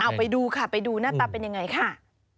เอาไปดูค่ะไปดูหน้าตาเป็นยังไงค่ะ